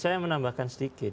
saya menambahkan sedikit